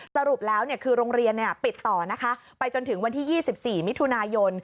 สรุปแล้วคือโรงเรียนปิดต่อนะคะไปจนถึงวันที่๒๔มิถุนายน